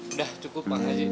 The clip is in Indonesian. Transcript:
udah cukup bang haji